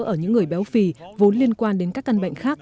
ở những người béo phì vốn liên quan đến các căn bệnh khác